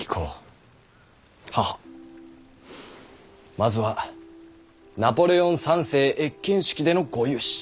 まずはナポレオン三世謁見式でのご勇姿